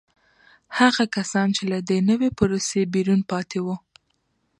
هغه کسان چې له دې نوې پروسې بیرون پاتې وو